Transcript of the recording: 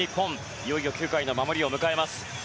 いよいよ９回の守りを迎えます。